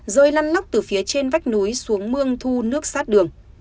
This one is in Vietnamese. rơi lăn lóc từ phía trên vách núi xuống mương thu nước sát đường